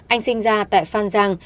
anh sinh ra tại phan giang